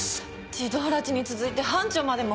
児童拉致に続いて班長までも。